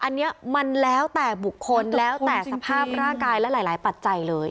อันนี้มันแล้วแต่บุคคลแล้วแต่สภาพร่างกายและหลายปัจจัยเลย